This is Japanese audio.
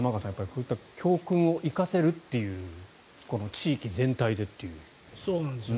こういった教訓を生かせるっていう地域全体でっていう。